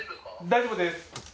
大丈夫です